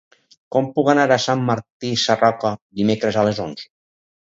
Com puc anar a Sant Martí Sarroca dimecres a les onze?